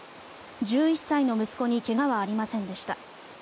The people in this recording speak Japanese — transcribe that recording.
１１歳の息子に怪我はありませんでした。